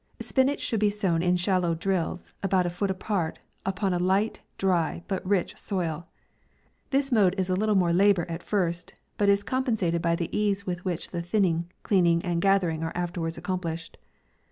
Spinach should be sown in shallow drills, about a foot apart, upon a light, dry, but rich soil. This mode is a little more labour at first, but is compen sated by the ease with which the thinning, cleaning, and gathering are afterwards ac complished.